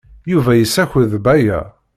Yuba yessaked-d Baya.